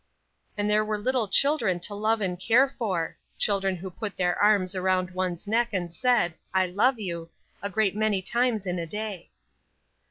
And there were little children to love and care for children who put their arms around one's neck and said, "I love you," a great many times in a day.